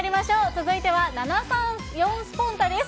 続いては７３４スポンタっ！です。